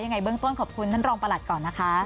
ยังไงเบื้องต้นขอบคุณท่านรองประหลัดก่อนนะคะ